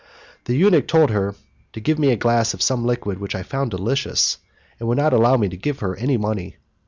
The eunuch told her to give me a glass of some liquid which I found delicious, and would not allow me to give her any money.